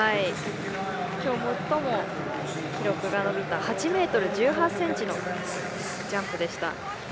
きょう、最も記録が伸びた８ｍ１８ｃｍのジャンプでした。